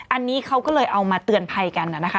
อันนี้เขาก็เลยเอามาเตือนภัยกันนะคะ